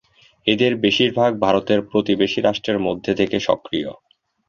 এদের বেশিরভাগ ভারতের প্রতিবেশী রাষ্ট্রের মধ্যে থেকে সক্রিয়।